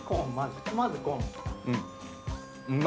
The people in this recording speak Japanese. まずコーン。